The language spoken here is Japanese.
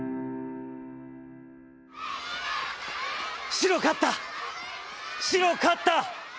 「白勝った、白勝った。